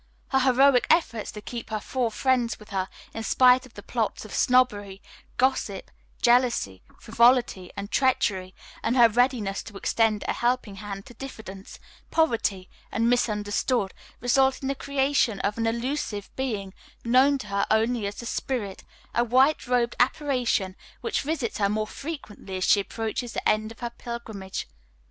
Her heroic efforts to keep her four friends with her in spite of the plots of Snobbery, Gossip, Jealousy, Frivolity and Treachery, and her readiness to extend a helping hand to Diffidence, Poverty and Misunderstood, result in the creation of an illusive being known to her only as the Spirit, a white robed apparition which visits her more frequently as she approaches the end of her pilgrimage.